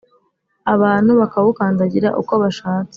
abantu bakawukandagira uko bashatse